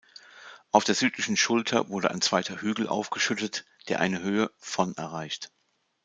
Auf der südlichen Schulter wurde ein zweiter Hügel aufgeschüttet, der eine Höhe von erreicht.